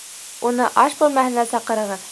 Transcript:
Уны аш бүлмәһенә саҡырығыҙ